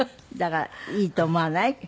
だからいいと思わない？